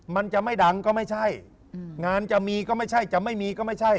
มันจะไม่ดังก็ไม่ใช่งานจะมีก็ไม่ใช่จะไม่มีก็ไม่ใช่